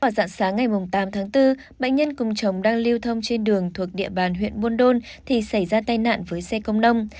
vào dạng sáng ngày tám tháng bốn bệnh nhân cùng chồng đang lưu thông trên đường thuộc địa bàn huyện buôn đôn thì xảy ra tai nạn với xe công nông